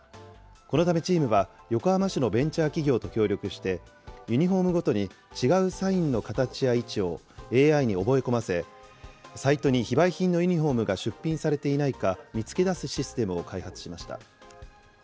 このためチームは、横浜市のベンチャー企業と協力して、ユニホームごとに違うサインの形や位置をＡＩに覚え込ませ、サイトに非売品のユニホームが出品されていないか見つけ出すシステムを開発しました。